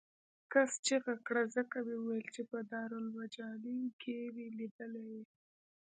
کس چغه کړه ځکه مې وویل چې په دارالمجانین کې مې لیدلی یې.